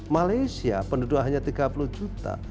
malaysia penduduknya tiga puluh juta